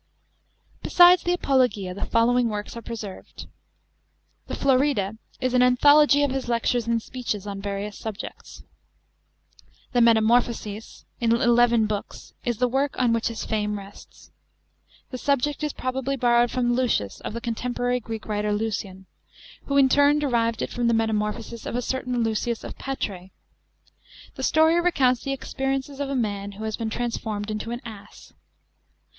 Besides the Apologia, the following works are preserved. The Florida is an "anthology" of his lectures and speeches, on various subjects. The Metamorphoses, in eleven Books, is the work on which his fame rests. The subject is probably borrowed from the Lucius of the contempoiary Greek writer Lucian, who in turn derived it from the Metamorphoses of a certain Lucius of Patras. The story recounts the experiences of a man who had been trans formed into an ass.